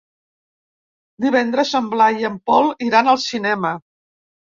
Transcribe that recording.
Divendres en Blai i en Pol iran al cinema.